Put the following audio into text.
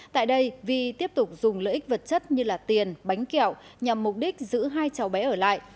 tại đây vi tiếp tục dùng lợi ích vật chất như tiền bánh kẹo nhằm mục đích giữ hai cháu bé ở lại